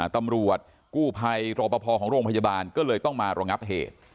ตำรวจกู้ภัยรอปภของโรงพยาบาลก็เลยต้องมารองับเหตุ